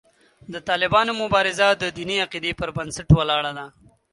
د طالبانو مبارزه د دیني عقیدې پر بنسټ ولاړه ده.